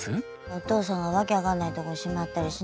お父さんが訳分かんないとこにしまったりしないようにね。